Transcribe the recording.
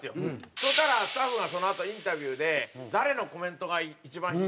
そしたらスタッフがそのあとインタビューで誰のコメントが一番響きましたか？